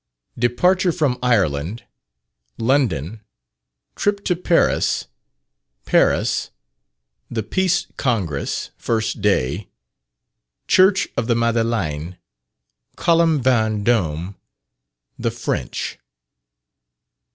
_Departure from Ireland London Trip to Paris Paris The Peace Congress: first day Church of the Madeleine Column Vendome the French.